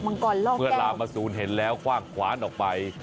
มังกรล่อแก้วเมื่อลามสูญเห็นแล้วคว่างควานออกไป